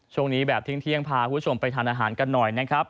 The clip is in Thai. ช่วงนี้แบบเที่ยงพาคุณผู้ชมไปทานอาหารกันหน่อยนะครับ